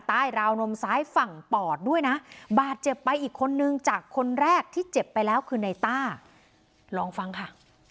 ราวนมซ้ายฝั่งปอดด้วยนะบาดเจ็บไปอีกคนนึงจากคนแรกที่เจ็บไปแล้วคือในต้าลองฟังค่ะ